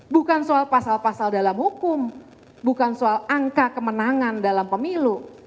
bukan soal pasal pasal dalam hukum bukan soal angka kemenangan dalam pemilu